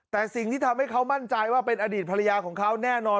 แต่สิ่งที่ทำให้เขามั่นใจว่าเป็นอดีตภรรยาของเขาแน่นอน